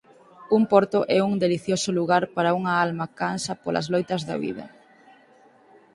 Un porto é un delicioso lugar para unha alma cansa polas loitas da vida.